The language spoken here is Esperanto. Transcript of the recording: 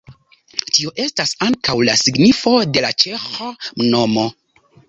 Tio estas ankaŭ la signifo de la ĉeĥa nomo.